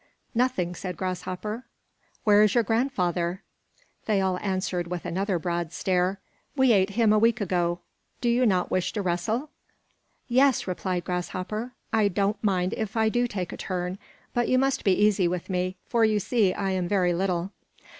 "Nothing," said Grasshopper. "Where is your grandfather?" They all answered, with another broad stare: "We ate him a week ago. Do you not wish to wrestle?" "Yes," replied Grasshopper, "I don't mind if I do take a turn; but you must be easy with me, for you see I am very little."